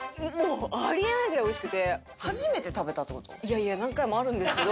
いやいや何回もあるんですけど。